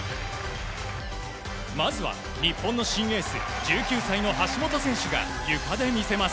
まずは、日本の新エース１９歳の橋本選手がゆかで魅せます。